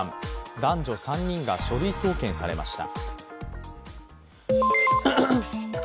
男女３人が書類送検されました。